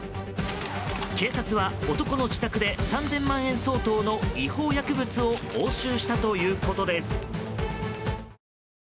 警察は男の自宅で３０００万円相当の違法薬物を押収したということです。